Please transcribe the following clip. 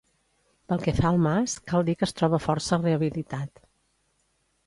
Pel que fa al mas, cal dir que es troba força rehabilitat.